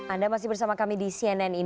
anda masih bersama kami di cnn indonesia